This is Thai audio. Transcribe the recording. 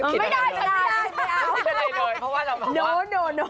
ไม่ได้เลยเพราะว่าเราบอกว่า